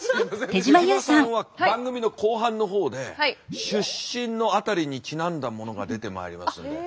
手島さんは番組の後半の方で出身の辺りにちなんだものが出てまいりますので。